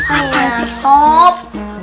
akan sih sob